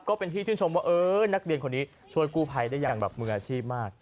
ก็เป็นที่ชื่นชมว่าเออนักเรียนคนนี้ช่วยกู้ภัยได้อย่างแบบมืออาชีพมาก